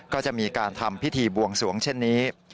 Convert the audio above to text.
ก็จะมีการทำพิธีบวงสวงเช่นนี้